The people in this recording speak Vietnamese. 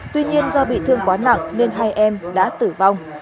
tuy nhiên do bị thương quá nặng nên hai em đã tử vong